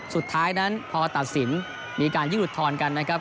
สุดท้ายนั้นพอตัดสินมีการยื่นอุทธรณ์กันนะครับ